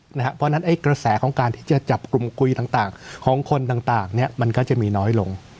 เพราะฉะนั้นกระแสของการที่จะจับกลุ่มคุยต่างของคนต่างมันก็จะมีน้อยลง